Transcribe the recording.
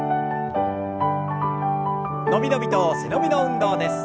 伸び伸びと背伸びの運動です。